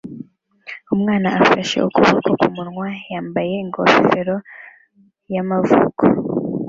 Umwana afashe ukuboko kumunwa yambaye ingofero y'amavuko